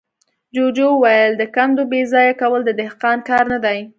جوجو وويل: د کندو بېځايه کول د دهقان کار نه دی.